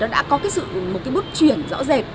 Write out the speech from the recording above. đã có một bước chuyển rõ rệt